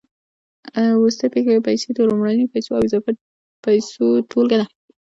وروستۍ پیسې د لومړنیو پیسو او اضافي پیسو ټولګه ده